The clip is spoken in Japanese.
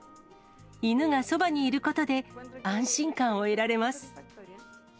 犬がそばにいることで、安心感を得られます。